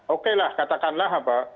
oke lah katakanlah apa